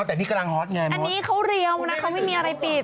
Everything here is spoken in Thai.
แต่นี่กำลังฮอตไงอันนี้เขาเรียวนะเขาไม่มีอะไรปิด